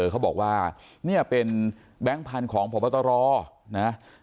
เขาบอกว่าเนี่ยเป็นแบงค์ทันของผ่อพัตจร